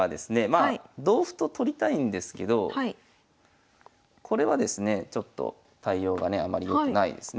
まあ同歩と取りたいんですけどこれはですねちょっと対応がねあまりよくないですね。